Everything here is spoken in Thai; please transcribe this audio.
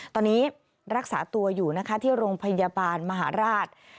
ตอนนี้รักษาตัวอยู่นะคะที่โรงพยาบาลมหาราช